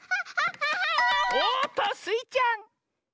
おっとスイちゃん！